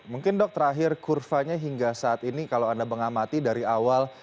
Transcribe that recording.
mungkin dok terakhir kurvanya hingga saat ini kalau anda mengamati dari awal